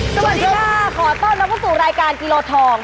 สวัสดีค่ะขอต้อนรับเข้าสู่รายการกิโลทอง